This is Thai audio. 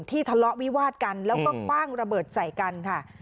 ทะเลาะวิวาดกันแล้วก็คว่างระเบิดใส่กันค่ะ